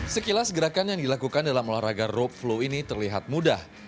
sekilas gerakan yang dilakukan dalam olahraga rope flow ini terlihat mudah